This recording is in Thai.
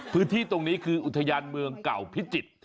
พื้นที่ตรงนี้คืออุทยานเมืองเก่าพิจิตร